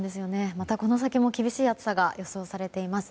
またこの先も厳しい暑さが予想されています。